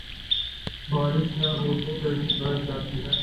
بارش نہ ہوتو گرمی بڑھ جاتی ہے۔